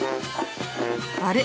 あれ？